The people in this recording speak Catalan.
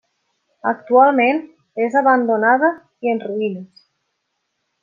Actualment és abandonada i en ruïnes.